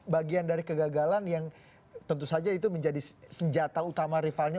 bagian dari kegagalan yang tentu saja itu menjadi senjata utama rivalnya